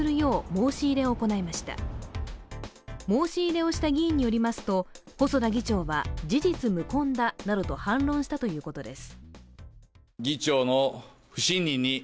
申し入れをした議員によりますと細田議長は、事実無根だなどと反論したということです。